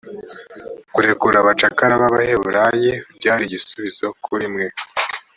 kurekura abacakara b’abahebureyi byariigisubizo kurimwe